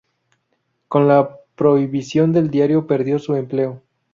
Con la prohibición del diario perdió su empleo.